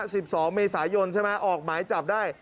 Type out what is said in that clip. สิบสองเมษายนใช่ไหมออกหมายจับได้